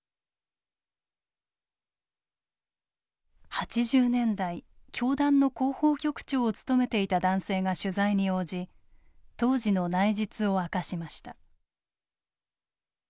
８０年代教団の広報局長を務めていた男性が取材に応じ当時の内実を明かしました。